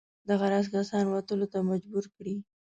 دغه راز کسان وتلو ته مجبور کړي.